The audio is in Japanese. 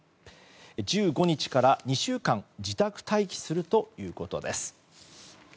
１５日から２週間自宅待機するということです。